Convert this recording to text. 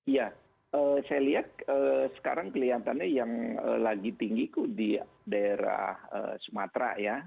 ya saya lihat sekarang kelihatannya yang lagi tinggi kok di daerah sumatera ya